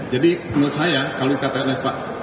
jadi menurut saya kalau dikatakan pak ari sidang itu tidak elok